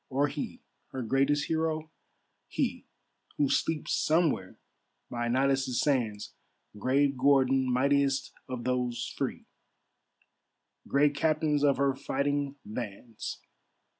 Or he, her greatest hero, he, Who sleeps somewhere by Nilus' sands, Grave Gordon, mightiest of those free, Great captains of her fighting bands.